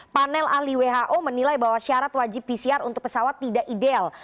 panel ahli who menilai bahwa syarat wajib pcr untuk pesawat tidak ideal